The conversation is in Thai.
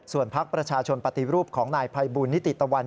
ส่วนพักประชาชนปฏิรูปของนายภัยบูลนิติตะวัน